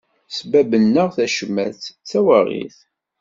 Sbabben-aɣ tacmat, tawaɣit.